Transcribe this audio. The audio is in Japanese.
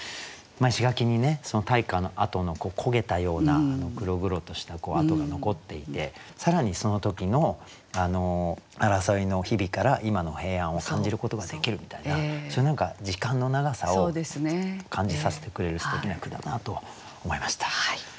石垣に大火の跡の焦げたような黒々とした跡が残っていて更にその時の争いの日々から今の平安を感じることができるみたいなそういう何か時間の長さを感じさせてくれるすてきな句だなと思いました。